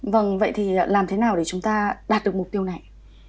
vâng vậy thì làm thế nào để chúng ta đạt được mục tiêu này